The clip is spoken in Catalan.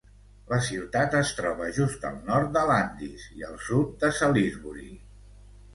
La ciutat es troba just al nord de Landis i al sud de Salisbury.